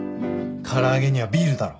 唐揚げにはビールだろ